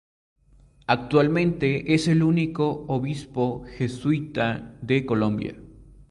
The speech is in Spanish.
Actualmente es el único Obispo Jesuita de Colombia.